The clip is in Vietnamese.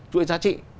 chuỗi giá trị